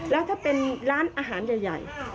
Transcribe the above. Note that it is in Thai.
แล้วถ้าเป็นร้านอาหารใหญ่